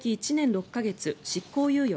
６か月執行猶予